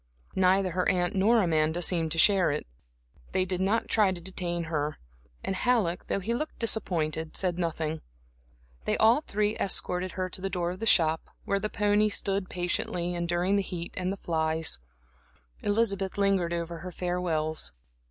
Neither her aunt nor Amanda seemed to share it. They did not try to detain her, and Halleck, though he looked disappointed, said nothing. They all three escorted her to the door of the shop, where the white pony stood patiently enduring the heat and the flies. Elizabeth lingered over her farewells.